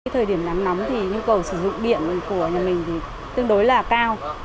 thời điểm nắng nóng thì nhu cầu sử dụng điện của nhà mình tương đối là cao